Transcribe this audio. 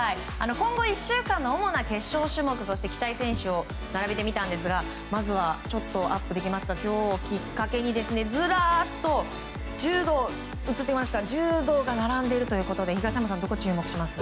今後１週間の主な決勝種目そして期待選手を並べてみたんですがまずは今日をきっかけにずらっと柔道が並んでいるということで東山さんどこに注目しますか。